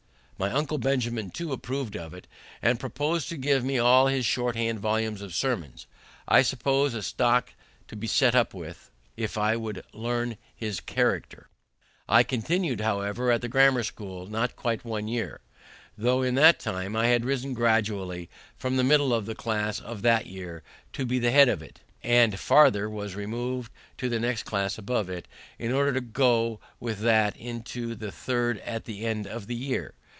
My uncle Benjamin, too, approved of it, and proposed to give me all his short hand volumes of sermons, I suppose as a stock to set up with, if I would learn his character. I continued, however, at the grammar school not quite one year, though in that time I had risen gradually from the middle of the class of that year to be the head of it, and farther was removed into the next class above it, in order to go with that into the third at the end of the year.